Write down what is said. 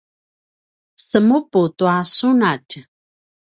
semupu tua sunatj